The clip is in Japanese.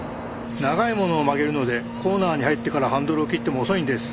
長いものを曲げるのでコーナーに入ってからハンドルを切っても遅いんです。